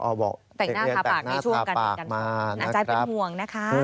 แต่งหน้าทาปากในช่วงการห่วงกันน่าใจเป็นห่วงนะคะ